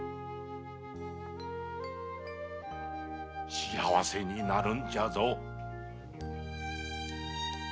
幸せになるんじゃぞ。